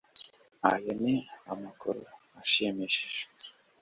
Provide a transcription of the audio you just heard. Ayo ni amakuru ashimishije